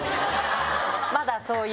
まだそういう。